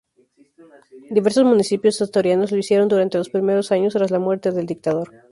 Diversos municipios asturianos lo hicieron durante los primeros años tras la muerte del dictador.